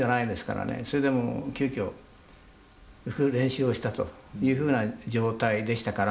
それでもう急きょ練習をしたというふうな状態でしたから。